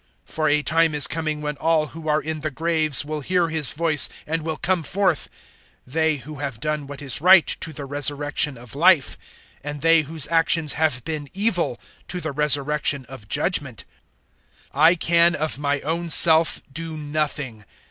For a time is coming when all who are in the graves will hear His voice and will come forth 005:029 they who have done what is right to the resurrection of Life, and they whose actions have been evil to the resurrection of judgement. 005:030 "I can of my own self do nothing.